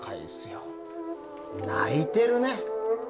泣いてるね。